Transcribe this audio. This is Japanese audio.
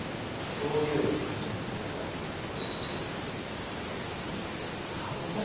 恐竜やねん走るタイプの。さあ動きだした。